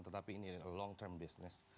tetapi ini long term business